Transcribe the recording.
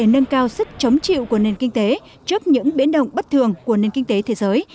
nâng cao sức chống chịu của nền kinh tế trước những biến động bất thường của nền kinh tế thế giới